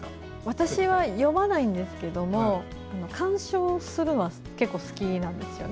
私は詠まないんですけども鑑賞するのは結構好きなんですよね。